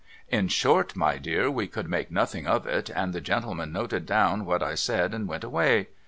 In short my dear, we could make nothing of it, and the gentleman noted down what I said and went away.